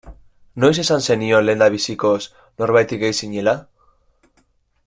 Noiz esan zenion lehendabizikoz norbaiti gay zinela.